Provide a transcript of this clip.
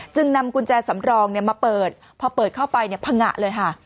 จึงนำกุญแจสำรองเนี่ยมาเปิดพอเปิดเข้าไปภงะเลยค่ะ